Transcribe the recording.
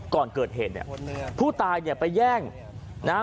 ก่อนเกิดเหตุเนี่ยผู้ตายเนี่ยไปแย่งนะฮะ